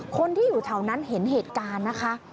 คนที่อยู่แถวนั้นเห็นเหตุการณ์นะคะ